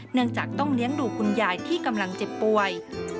เนื่องจากต้องเลี้ยงดูคุณยายที่กำลังเจ็บป่วย